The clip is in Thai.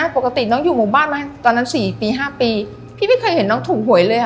ปกติน้องอยู่หมู่บ้านไหมตอนนั้น๔ปี๕ปีพี่ไม่เคยเห็นน้องถูกหวยเลยค่ะ